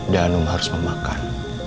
dano harus memakan